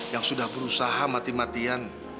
yang sudah berusaha mati matian